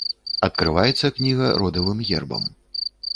Адкрываецца кніга родавым гербам.